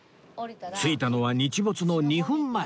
着いたのは日没の２分前